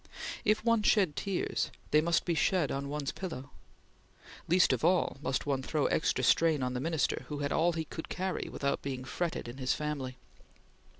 If one shed tears, they must be shed on one's pillow. Least of all, must one throw extra strain on the Minister, who had all he could carry without being fretted in his family.